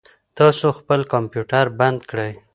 تاسو خپل کمپیوټر بند کړئ.